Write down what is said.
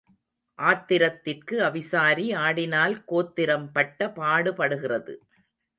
ஆத்திரத்துக்கு அவிசாரி ஆடினால் கோத்திரம் பட்ட பாடுபடுகிறது.